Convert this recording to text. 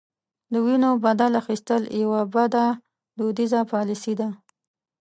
د وینو بدل اخیستل یوه بده دودیزه پالیسي ده.